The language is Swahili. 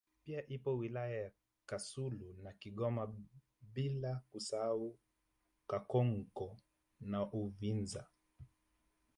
Pia ipo wilaya ya Kasulu na Kigoma bila kusahau Kakonko na Uvinza